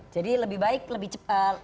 lebih baik lebih cepat